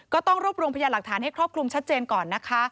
ก็ต้องรวบรวมพยานหลักฐานให้ครอบคลุมชัดเจนก่อนนะคะ